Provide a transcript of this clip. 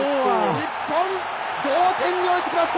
日本、同点に追いつきました。